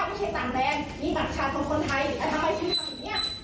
อย่าพูดอะไรก็เชิญตามสบายเต็มที่